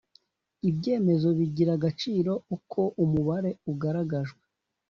ibyemezo bigira agaciro uko umubare ugaragajwe